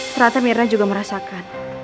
ternyata mirna juga merasakan